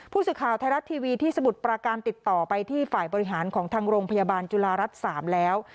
ผู้สื่อข่าวไทยรัฐทีวีที่สมุทรประการติดต่อไปที่ฝ่ายบริหารของทางโรงพยาบาลจุฬารัฐ๓แล้ว